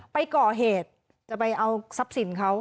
ไปก่อเหตุจะไปเอาทรัพย์สินเขา